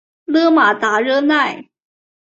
勒马达热奈。